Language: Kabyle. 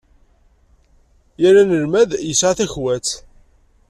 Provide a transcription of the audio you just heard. Yal anelmad yesɛa takwat.